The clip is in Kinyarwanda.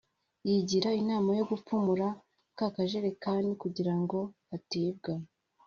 yigira inama yo gupfumura ka kajerikani kugira ngo katibwa